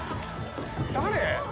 誰？